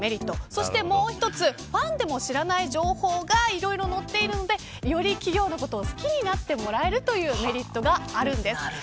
そしてもう一つ、ファンでも知らない情報がいろいろ載っているのでより企業のことを好きになってもらえるというメリットがあるんです。